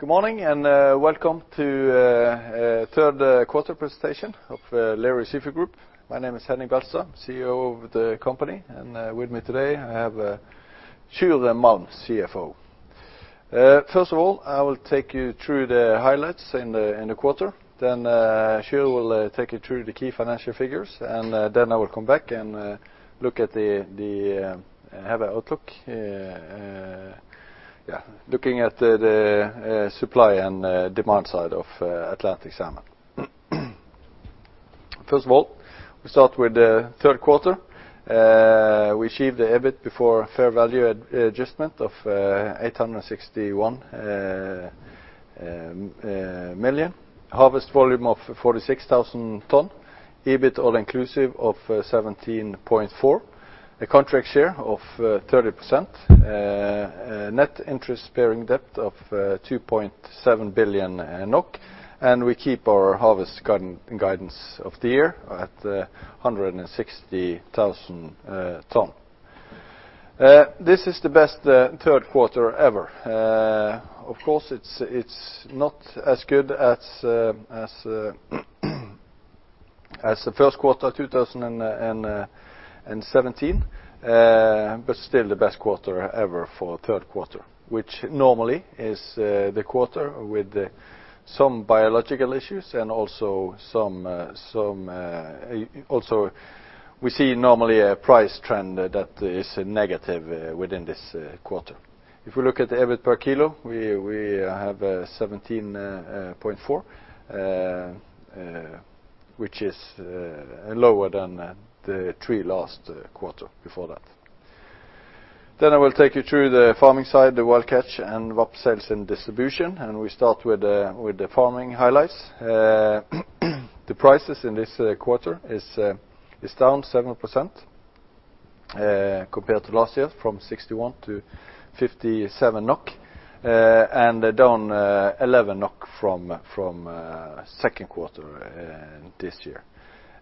Good morning, welcome to third quarter presentation of Lerøy Seafood Group. My name is Henning Beltestad, CEO of the company. With me today I have Sjur Malm, CFO. First of all, I will take you through the highlights in the quarter. Sjur will take you through the key financial figures. I will come back and have an outlook, looking at the supply and demand side of Atlantic salmon. First of all, we start with the third quarter. We achieved the EBIT before fair value adjustment of 861 million. Harvest volume of 46,000 tons. EBIT all inclusive of 17.4. A contract share of 30%. Net interest-bearing debt of 2.7 billion NOK. We keep our harvest guidance of the year at 160,000 tons. This is the best third quarter ever. Of course, it's not as good as the first quarter 2017, but still the best quarter ever for third quarter, which normally is the quarter with some biological issues and also we see normally a price trend that is negative within this quarter. If we look at the EBIT per kilo, we have 17.4, which is lower than the three previous quarters. I will take you through the farming side, the wild catch, and VAP sales and distribution, we start with the farming highlights. The prices in this quarter is down 7% compared to last year, from 61 to 57 NOK, and down 11 NOK from second quarter this year.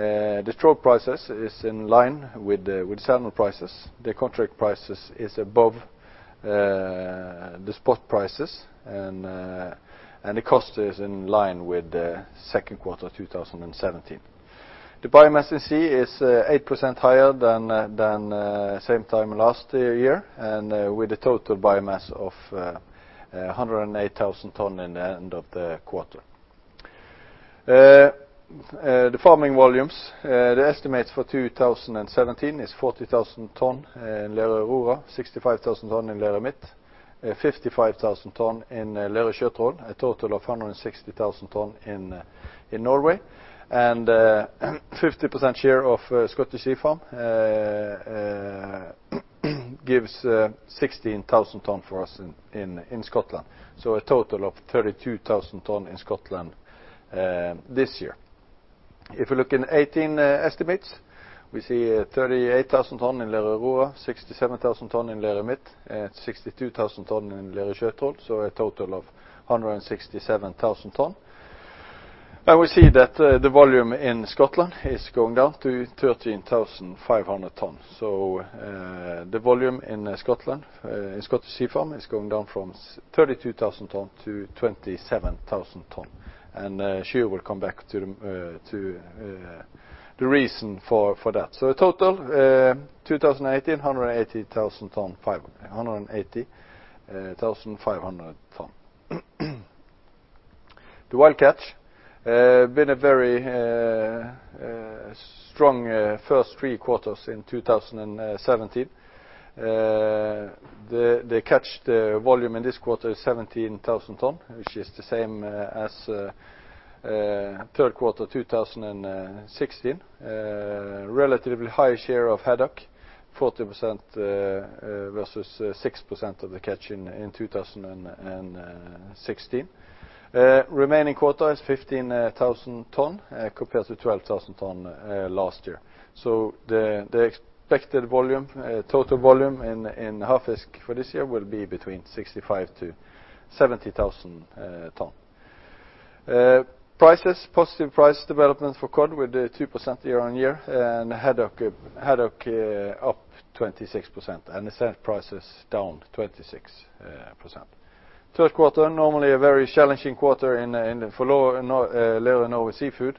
The trout prices is in line with the salmon prices. The contract prices is above the spot prices, the cost is in line with the second quarter 2017. The biomass in sea is 8% higher than same time last year, with the total biomass of 108,000 tons in the end of the quarter. The farming volumes, the estimates for 2017 is 40,000 tons in Lerøy Aurora, 65,000 tons in Lerøy Midt, 55,000 tons in Lerøy Sjøtroll, a total of 160,000 tons in Norway. 50% share of Scottish Sea Farms gives 16,000 tons for us in Scotland, so a total of 32,000 ton in Scotland this year. If we look in 2018 estimates, we see 38,000 tons in Lerøy Aurora, 67,000 tons in Lerøy Midt, and 62,000 tons in Lerøy Sjøtroll, so a total of 167,000 tons. We see that the volume in Scotland is going down to 13,500 tons. The volume in Scottish Sea Farms is going down from 32,000 tons to 27,000 tons, and Sjur will come back to the reason for that. A total, 2018, 180,500 tons. The wild catch has been very strong through the first three quarters in 2017. The catch, the volume in this quarter is 17,000 tons, which is the same as Q3 2016. Relatively high share of haddock, 40% versus 6% of the catch in 2016. Remaining quota is 15,000 tons, compared to 12,000 tons last year. The expected total volume in Havfisk for this year will be between 65,000 and 70,000 tons. Prices, positive price development for cod with 2% year-on-year. Haddock up 26%, and saithe prices down 26%. Q3, normally a very challenging quarter for Lerøy Norway Seafoods,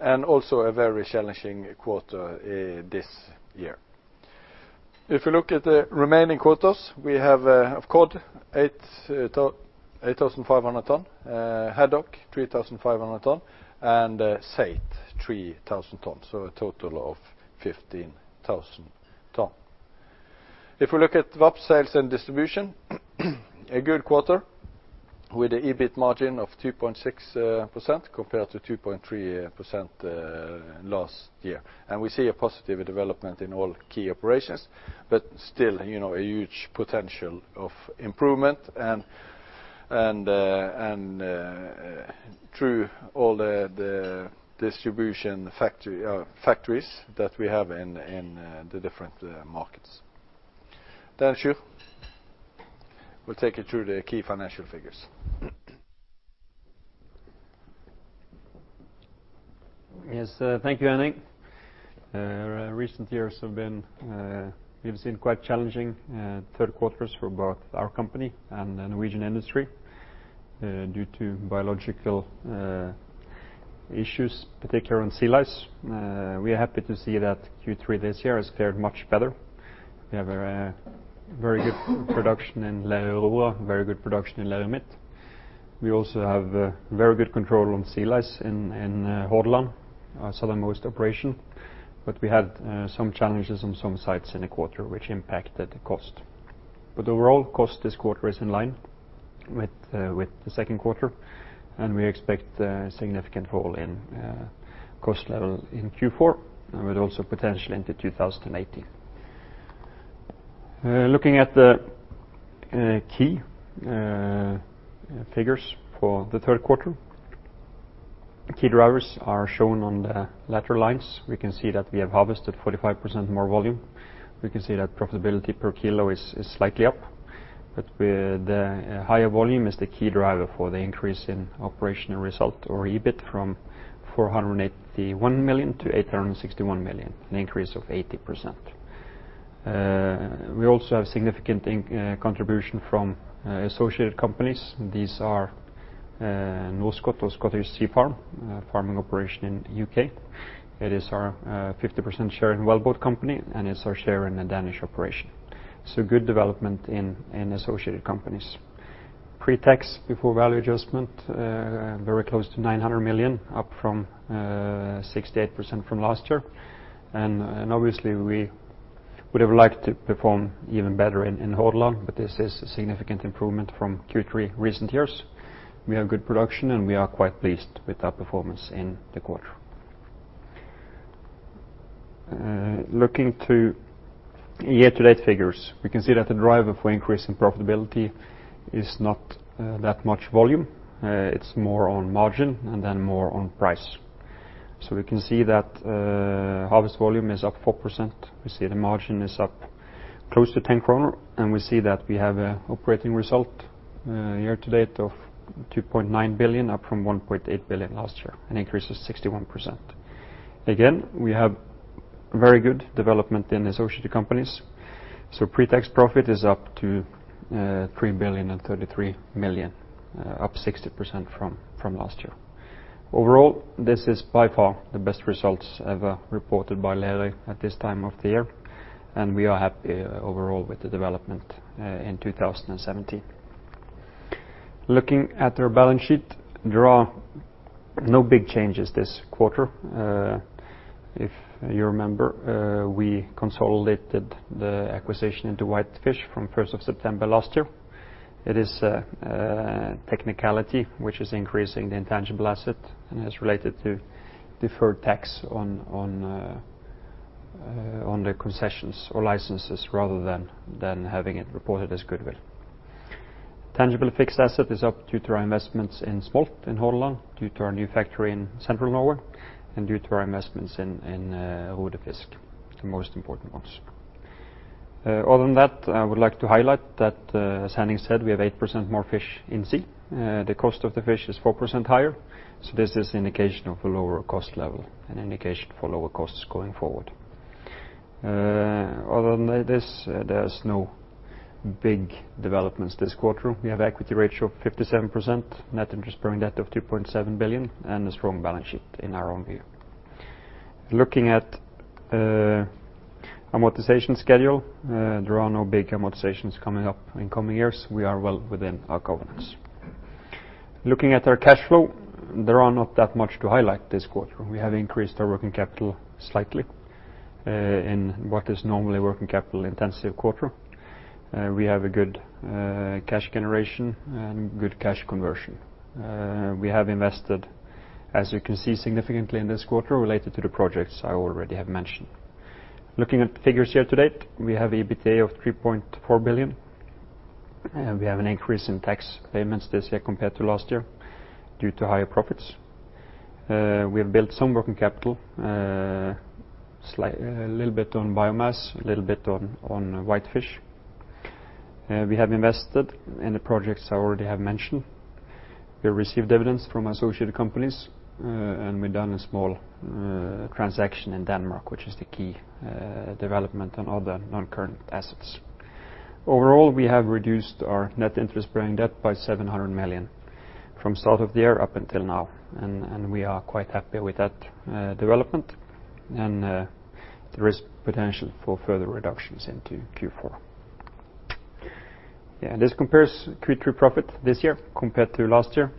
and also a very challenging quarter this year. If you look at the remaining quotas, we have of cod, 8,500 tons. Haddock, 3,500 tons. Saithe, 3,000 tons, a total of 15,000 tons. If we look at VAP sales and distribution, a good quarter with a EBIT margin of 2.6% compared to 2.3% last year. We see a positive development in all key operations, but still a huge potential of improvement and through all the distribution factories that we have in the different markets. Sjur will take you through the key financial figures. Yes. Thank you, Henning. Recent years have been quite challenging third quarters for both our company and the Norwegian industry due to biological issues, particularly on sea lice. We are happy to see that Q3 this year is faring much better. We have a very good production in Lerøy and very good production in Lerøy Midt. We also have very good control on sea lice in Hordaland, our southernmost operation, but we had some challenges on some sites in the quarter, which impacted the cost. Overall cost this quarter is in line with the second quarter, and we expect a significant fall in cost level in Q4, and also potentially into 2018. Looking at the key figures for the third quarter. The key drivers are shown on the latter lines. We can see that we have harvested 45% more volume. We can see that profitability per kilo is slightly up, but the higher volume is the key driver for the increase in operational result or EBIT from 481 million to 861 million, an increase of 80%. We also have significant contribution from associated companies. These are Norskott Havbruk or Scottish Sea Farms, a farming operation in the U.K. It is our 50% share in wellboat company, and it's our share in a Danish operation. Good development in associated companies. Pre-tax before value adjustment, very close to 900 million, up from 68% from last year. Obviously, we would have liked to perform even better in Hordaland, but this is a significant improvement from Q3 recent years. We have good production, and we are quite pleased with that performance in the quarter. Looking to year-to-date figures, we can see that the driver for increase in profitability is not that much volume. It's more on margin and then more on price. We can see that harvest volume is up 4%. We see the margin is up close to 10 kroner, we see that we have an operating result year-to-date of 2.9 billion from 1.8 billion last year, an increase of 61%. Again, we have very good development in associated companies. Pre-tax profit is up to 3,033,000,000, up 60% from last year. Overall, this is by far the best results ever reported by Lerøy at this time of the year, and we are happy overall with the development in 2017. Looking at our balance sheet, there are no big changes this quarter. If you remember, we consolidated the acquisition into whitefish from 1st of September last year. It is a technicality which is increasing the intangible asset, and it's related to deferred tax on the concessions or licenses rather than having it reported as goodwill. Tangible fixed asset is up due to our investments in smolt in Hordaland due to our new factory in Central Norway and due to our investments in Rodé Vis, the most important ones. Other than that, I would like to highlight that, as Henning said, we have 8% more fish in sea. The cost of the fish is 4% higher, so this is an indication of a lower cost level and indication for lower costs going forward. Other than this, there's no big developments this quarter. We have equity ratio of 57%, net interest-bearing debt of 2.7 billion, and a strong balance sheet in our own view. Looking at amortization schedule, there are no big amortizations coming up in coming years. We are well within our coverage. Looking at our cash flow, there are not that much to highlight this quarter. We have increased our working capital slightly in what is normally a working capital-intensive quarter. We have a good cash generation and good cash conversion. We have invested, as you can see, significantly in this quarter related to the projects I already have mentioned. Looking at the figures year-to-date, we have EBITDA of 3.4 billion, and we have an increase in tax payments this year compared to last year due to higher profits. We have built some working capital, a little bit on biomass, a little bit on Whitefish. We have invested in the projects I already have mentioned. We have received dividends from associated companies, and we've done a small transaction in Denmark, which is the key development on other non-current assets. Overall, we have reduced our net interest-bearing debt by 700 million from start of the year up until now, and we are quite happy with that development, and there is potential for further reductions into Q4. This compares to Q3 profit this year compared to last year.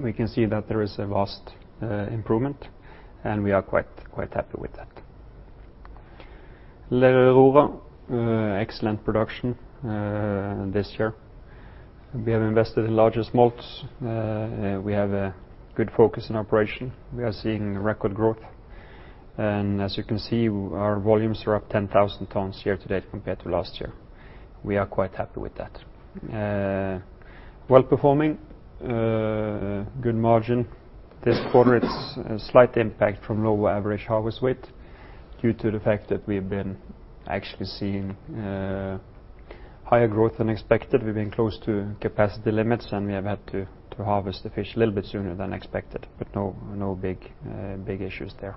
We can see that there is a vast improvement, and we are quite happy with that. Lerøy, excellent production this year. We have invested in larger smolts. We have a good focus on operation. We are seeing record growth. As you can see, our volumes are up 10,000 tons year-to-date compared to last year. We are quite happy with that. Well-performing, good margin. This quarter, it's a slight impact from lower average harvest weight due to the fact that we've been actually seeing higher growth than expected. We've been close to capacity limits, and we have had to harvest the fish a little bit sooner than expected, but no big issues there.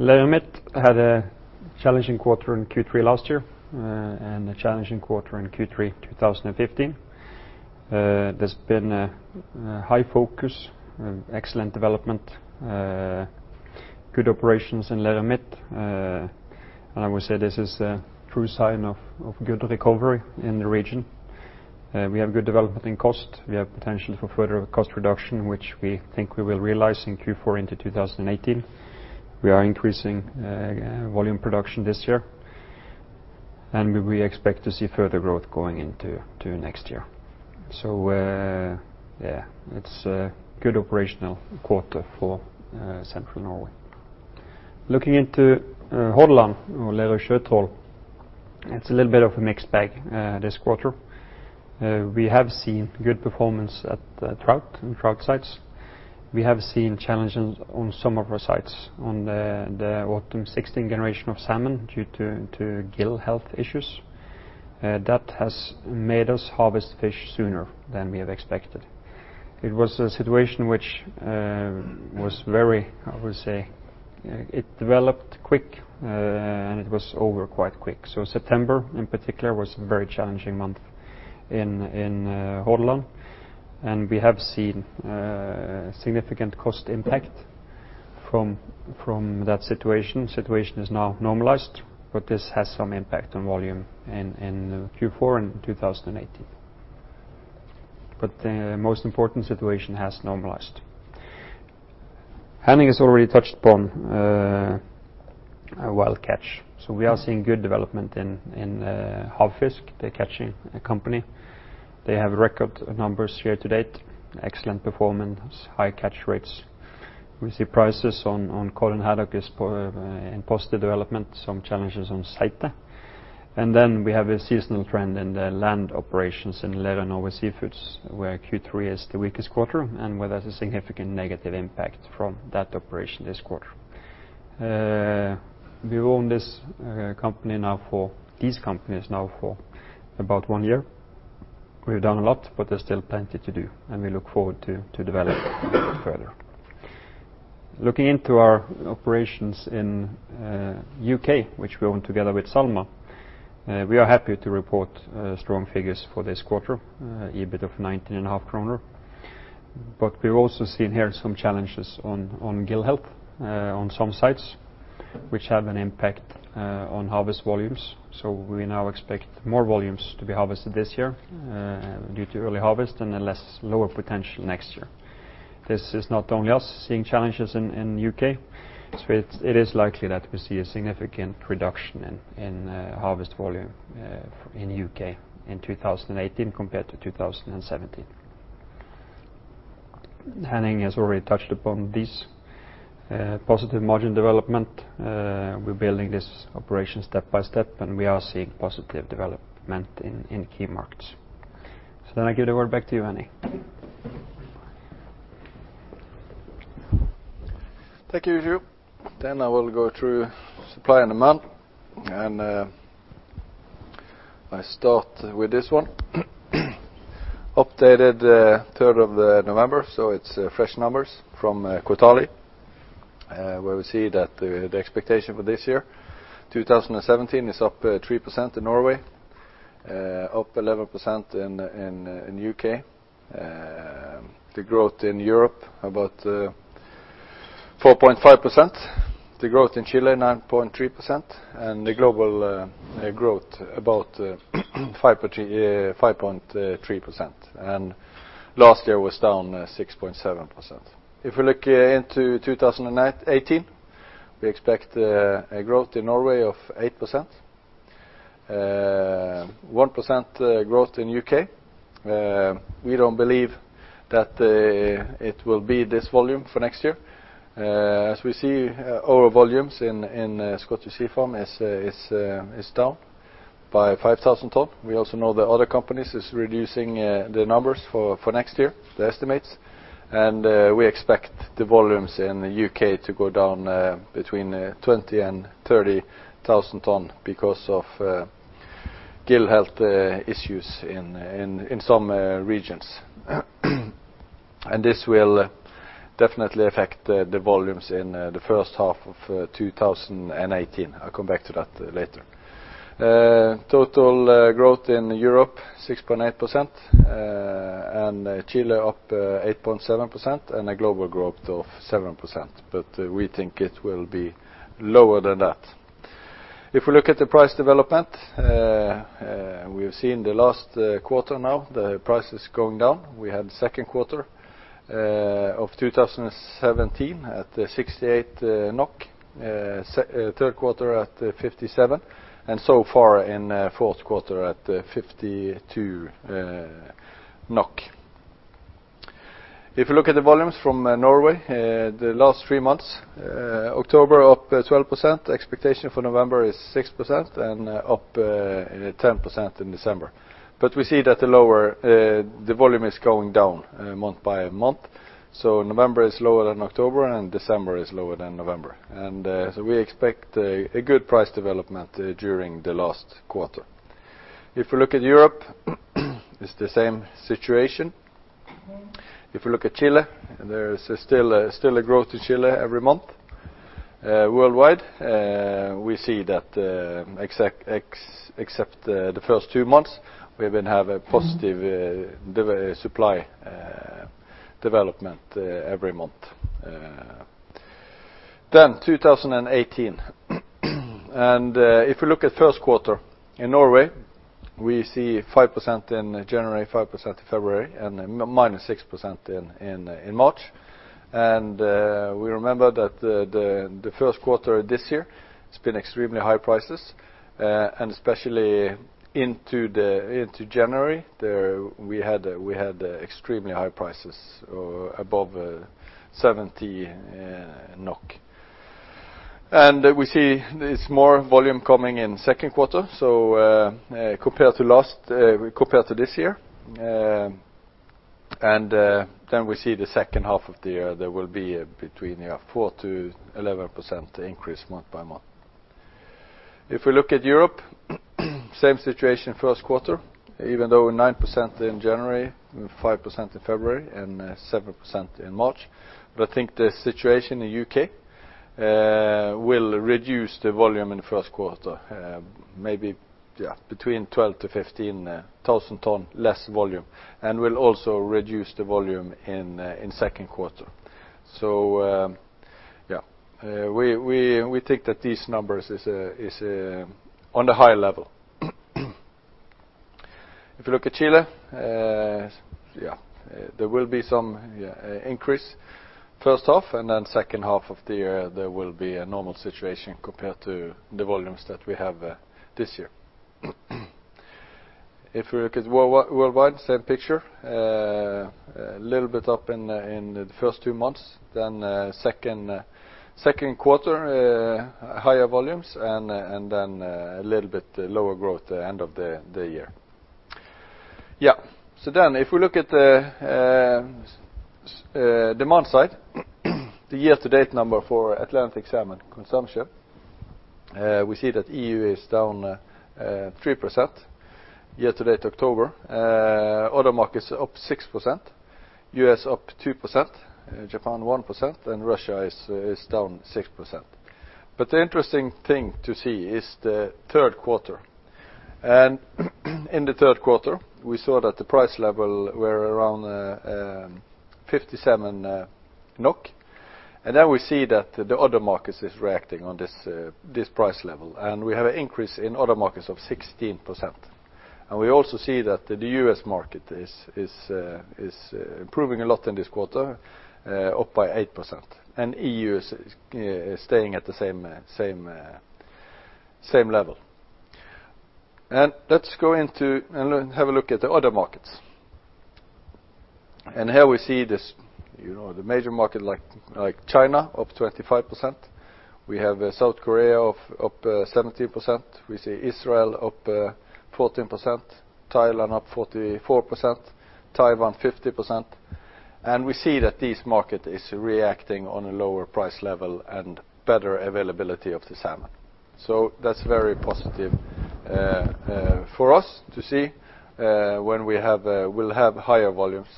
Lerøy Midt had a challenging quarter in Q3 last year and a challenging quarter in Q3, 2015. There's been a high focus, excellent development, good operations in Lerøy Midt. I would say this is a true sign of good recovery in the region. We have good development in cost. We have potential for further cost reduction, which we think we will realize in Q4 into 2018. We are increasing volume production this year, and we expect to see further growth going into next year. Yeah, it's a good operational quarter for central Norway. Looking into Hordaland or Lerøy Sjøtroll, it's a little bit of a mixed bag this quarter. We have seen good performance at the trout sites. We have seen challenges on some of our sites on the autumn 2016 generation of salmon due to gill health issues. That has made us harvest fish sooner than we have expected. It was a situation which was very, I would say, it developed quick, and it was over quite quick. September, in particular, was a very challenging month in Hordaland, and we have seen a significant cost impact from that situation. Situation is now normalized, but this has some impact on volume in Q4 and 2018. The most important situation has normalized. Henning has already touched upon wild catch. We are seeing good development in Havfisk, the catching company. They have record numbers year to date, excellent performance, high catch rates. We see prices on cod and haddock is in positive development, some challenges on saithe. We have a seasonal trend in the land operations in Lerøy Norway Seafoods, where Q3 is the weakest quarter and where there's a significant negative impact from that operation this quarter. We've owned these companies now for about 1 year. We've done a lot, but there's still plenty to do, and we look forward to developing it further. Looking into our operations in U.K., which we own together with SalMar, we are happy to report strong figures for this quarter, EBIT of 19.5 kroner. We've also seen here some challenges on gill health, on some sites, which have an impact on harvest volumes. We now expect more volumes to be harvested this year, due to early harvest and a less lower potential next year. This is not only us seeing challenges in U.K. It is likely that we see a significant reduction in harvest volume in U.K. in 2018 compared to 2017. Henning has already touched upon this. Positive margin development. We're building this operation step by step, and we are seeing positive development in key markets. I give the word back to you, Henning. Thank you, Sjur Malm. I will go through supply and demand. I start with this one. Updated November 3, it's fresh numbers from Kontali, where we see that the expectation for this year, 2017, is up 3% in Norway, up 11% in U.K. The growth in Europe, about 4.5%. The growth in Chile, 9.3%. The global growth, about 5.3%. Last year was down 6.7%. If we look into 2018, we expect a growth in Norway of 8%, 1% growth in U.K. We don't believe that it will be this volume for next year. As we see, our volumes in Scottish Sea Farms is down by 5,000 tons. We also know that other companies is reducing the numbers for next year, the estimates. We expect the volumes in the U.K. to go down between 20,000-30,000 tons because of gill health issues in some regions. This will definitely affect the volumes in the first half of 2018. I'll come back to that later. Total growth in Europe, 6.8%, and Chile up 8.7%, and a global growth of 7%, but we think it will be lower than that. If we look at the price development, we have seen the last quarter now, the price is going down. We had the second quarter of 2017 at 68 NOK, third quarter at 57, and so far in fourth quarter at 52 NOK. If you look at the volumes from Norway, the last 3 months, October up 12%, expectation for November is 6%, and up 10% in December. We see that the volume is going down month by month. November is lower than October, and December is lower than November. We expect a good price development during the last quarter. If we look at Europe, it's the same situation. If you look at Chile, there is still a growth in Chile every month. Worldwide, we see that except the first two months, we will have a positive supply development every month. 2018. If you look at first quarter in Norway, we see 5% in January, 5% in February, minus 6% in March. We remember that the first quarter of this year has been extremely high prices, especially into January, we had extremely high prices above 70 NOK. We see there's more volume coming in second quarter, compared to this year. Then we see the second half of the year, there will be between 4%-11% increase month-by-month. If we look at Europe, same situation first quarter, even though 9% in January, 5% in February, and 7% in March. I think the situation in U.K. will reduce the volume in the first quarter, maybe between 12,000-15,000 tons less volume and will also reduce the volume in second quarter. We think that these numbers is on a high level. If you look at Chile, there will be some increase first half and then second half of the year, there will be a normal situation compared to the volumes that we have this year. We look at worldwide, same picture, a little bit up in the 1st 2 months, then 2nd quarter, higher volumes and then a little bit lower growth at the end of the year. If we look at the demand side, the year-to-date number for Atlantic Salmon consumption, we see that EU is down 3% year-to-date October. Other markets are up 6%, U.S. up 2%, Japan 1%, and Russia is down 6%. The interesting thing to see is the 3rd quarter. In the 3rd quarter, we saw that the price level were around 57 NOK, and then we see that the other markets is reacting on this price level, and we have an increase in other markets of 16%. We also see that the U.S. market is improving a lot in this quarter up by 8%, and EU is staying at the same level. Let's go into and have a look at the other markets. Here we see this, the major market like China up 25%. We have South Korea up 17%. We see Israel up 14%, Thailand up 44%, Taiwan 50%. We see that this market is reacting on a lower price level and better availability of the salmon. That's very positive for us to see when we'll have higher volumes,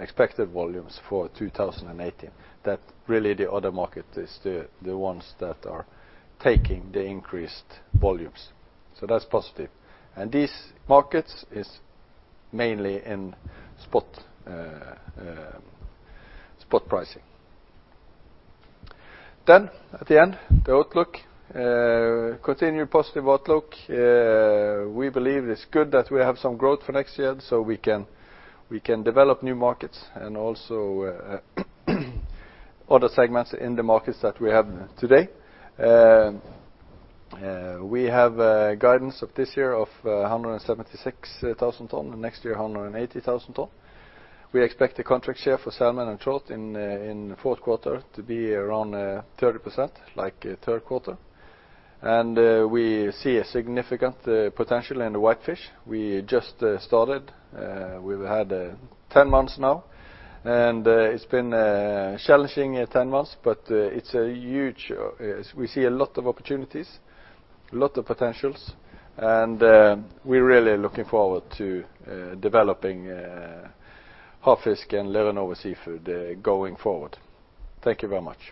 expected volumes for 2018. That really the other market is the ones that are taking the increased volumes. That's positive. These markets is mainly in spot pricing. At the end, the outlook, continued positive outlook. We believe it's good that we have some growth for next year, so we can develop new markets and also other segments in the markets that we have today. We have a guidance of this year of 176,000 tons and next year 180,000 tons. We expect the contract share for salmon and trout in fourth quarter to be around 30% like third quarter. We see a significant potential in the whitefish. We just started. We've had 10 months now, and it's been a challenging 10 months, but we see a lot of opportunities, a lot of potentials, and we're really looking forward to developing Havfisk and Lerøy Seafood going forward. Thank you very much.